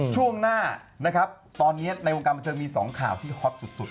ช่วงหน้านะครับตอนนี้ในวงการบันเทิงมี๒ข่าวที่ฮอตสุด